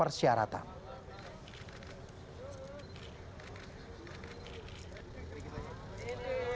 reklamasi akan dilanjut dengan berbagai persyaratan